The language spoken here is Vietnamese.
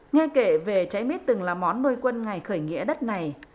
nghe kể về trái mít từng là món nuôi quân ngày khởi nghĩa đất này